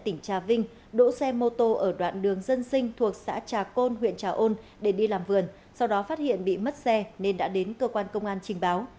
tỉnh trà vinh đỗ xe mô tô ở đoạn đường dân sinh thuộc xã trà côn huyện trà ôn để đi làm vườn sau đó phát hiện bị mất xe nên đã đến cơ quan công an trình báo